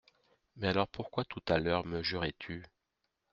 Mais alors pourquoi tout à l’heure me jurais-tu ?…